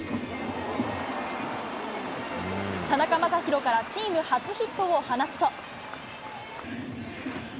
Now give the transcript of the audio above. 田中将大からチーム初ヒットを放つと。